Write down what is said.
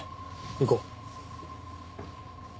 行こう。